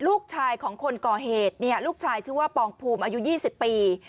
ลูกชายของคนก่อเหตุเนี่ยลูกชายชื่อว่าปองภูมิอายุ๒๐ปี